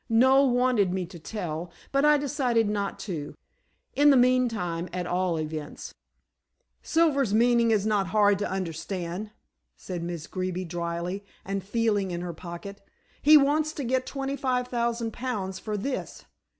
Noel wanted me to tell, but I decided not to in the meantime at all events." "Silver's meaning is not hard to understand," said Miss Greeby, drily and feeling in her pocket. "He wants to get twenty five thousand pounds for this."